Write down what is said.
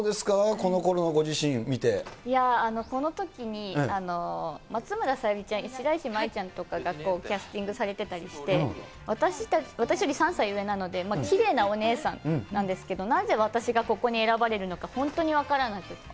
このころのご自いや、このときにまつむらさゆりちゃん、白石麻衣ちゃんとかがキャスティングされてたりして、私より３歳上なので、きれいなお姉さんなんですけど、なぜ私がここに選ばれるのか、本当に分からなくって。